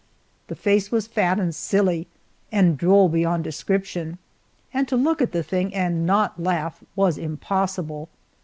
The face was fat and silly, and droll beyond description, and to look at the thing and not laugh was impossible.